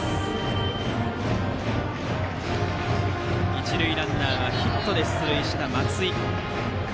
一塁ランナーはヒットで出塁した松井。